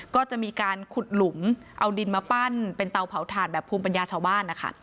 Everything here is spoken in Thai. ก็จะมีการขุดหลุมเอาดินมาปั้นเป็นเตาเผาถ่านแบบภูมิปัญญาชาวบ้านนะคะ